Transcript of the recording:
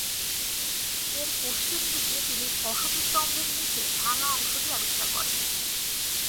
এর পশ্চিম দিকে তিনি অশোক স্তম্ভের নিচের ভাঙ্গা অংশটি আবিষ্কার করেন।